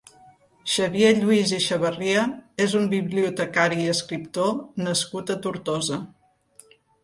Xavier Lluís i Chavarria és un bibliotecari i escriptor nascut a Tortosa.